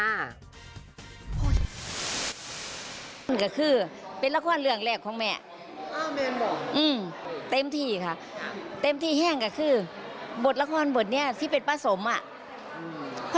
ส่วนอัพเดทวงเสียงอีสานนะคะ